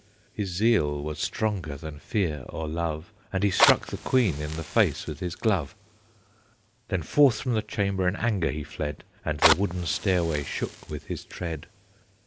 His zeal was stronger than fear or love, And he struck the Queen in the face with his glove. Then forth from the chamber in anger he fled, And the wooden stairway shook with his tread.